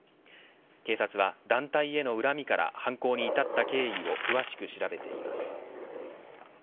警察は、団体への恨みから犯行に至った経緯を詳しく調べています。